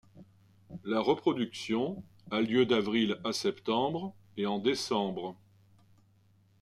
La reproduction a lieu d'avril à septembre et en décembre.